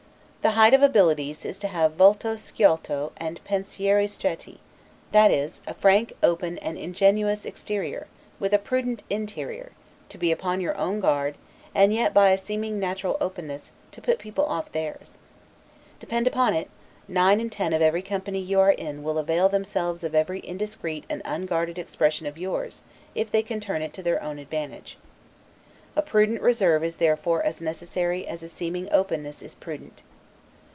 The height of abilities is to have 'volto sciolto' and 'pensieri stretti'; that is, a frank, open, and ingenuous exterior, with a prudent interior; to be upon your own guard, and yet, by a seeming natural openness, to put people off theirs. Depend upon it nine in ten of every company you are in will avail themselves of every indiscreet and unguarded expression of yours, if they can turn it to their own advantage. A prudent reserve is therefore as necessary as a seeming openness is prudent.